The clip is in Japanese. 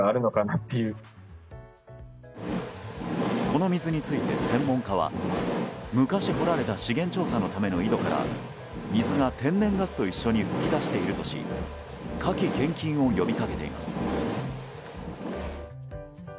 この水について、専門家は昔掘られた資源調査のための井戸から水が天然ガスと一緒に噴き出しているとし火気厳禁を呼び掛けています。